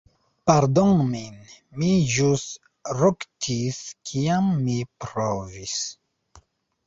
Pardonu min, mi ĵus ruktis kiam mi provis.